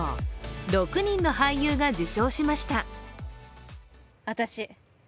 ６人の俳優が受賞しました。